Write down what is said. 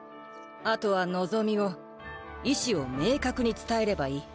あとは望みを意志を明確に伝えればいい。